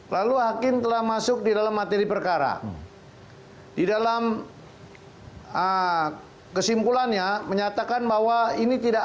lalu hakim telah masuk di dalam materi perkara di dalam kesimpulannya menyatakan bahwa ini tidak